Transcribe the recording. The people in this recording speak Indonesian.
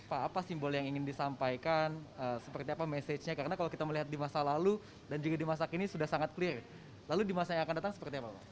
pak apa simbol yang ingin disampaikan seperti apa message nya karena kalau kita melihat di masa lalu dan juga di masa kini sudah sangat clear lalu di masa yang akan datang seperti apa pak